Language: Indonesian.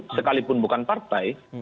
sekalipun bukan partai